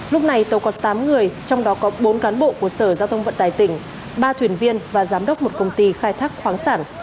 lúc này tàu có tám người trong đó có bốn cán bộ của sở giao thông vận tài tỉnh ba thuyền viên và giám đốc một công ty khai thác khoáng sản